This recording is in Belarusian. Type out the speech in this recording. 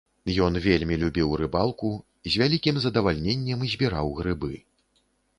Ён вельмі любіў рыбалку, з вялікім задавальненнем збіраў грыбы.